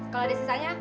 kalau ada sisanya